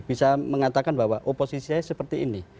bisa mengatakan bahwa oposisi saya seperti ini